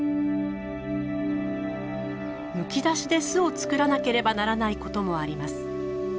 むき出しで巣を作らなければならないこともあります。